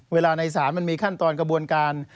เวลาในศาลมันมีขั้นตอนกระบวนการ